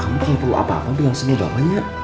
kamu kayak perlu apa apa bilang sendiri doanya ya